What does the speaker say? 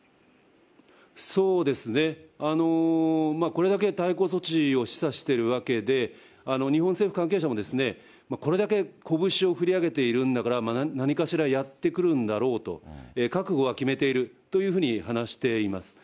そうですね、これだけ対抗措置を示唆しているわけで、日本政府関係者も、これだけ拳を振り上げているんだから、何かしらやってくるんだろうと、覚悟は決めているというふうに話しています。